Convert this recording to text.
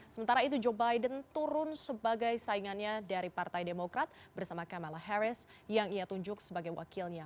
sementara itu joe biden turun sebagai saingannya dari partai demokrat bersama kamala harris yang ia tunjuk sebagai wakilnya